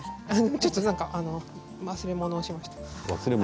ちょっと忘れ物をしました。